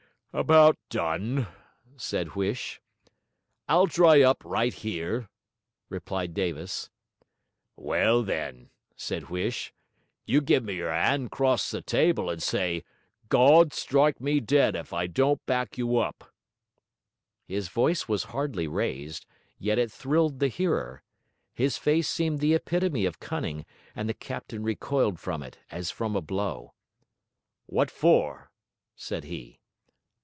'About done?' said Huish. 'I'll dry up right here,' replied Davis. 'Well, then,' said Huish, 'you give me your 'and across the table, and say, "Gawd strike me dead if I don't back you up."' His voice was hardly raised, yet it thrilled the hearer. His face seemed the epitome of cunning, and the captain recoiled from it as from a blow. 'What for?' said he.